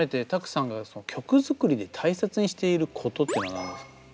Ｔａｋｕさんが曲作りで大切にしていることってのは何ですか？